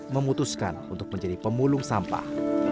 memutuskan untuk menjadi pemulung sampah